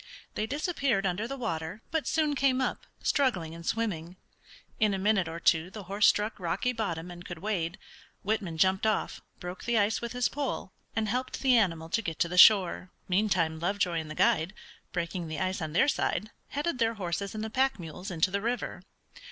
They disappeared under the water, but soon came up, struggling and swimming. In a minute or two the horse struck rocky bottom and could wade. Whitman jumped off, broke the ice with his pole, and helped the animal to get to the shore. Meantime Lovejoy and the guide, breaking the ice on their side, headed their horses and the pack mules into the river.